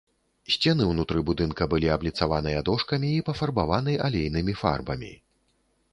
Сцены ўнутры будынка былі абліцаваныя дошкамі і пафарбаваны алейнымі фарбамі.